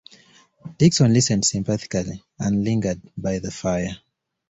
Dickson listened sympathetically, and lingered by the fire.